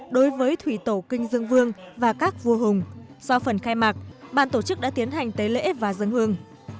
đối với thủy tổ kinh dương vương và các vua hùng do phần khai mạc bàn tổ chức đã tiến hành tới lễ và dân hương